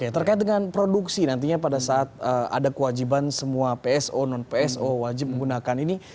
terkait dengan produksi nantinya pada saat ada kewajiban semua pso non pso wajib menggunakan ini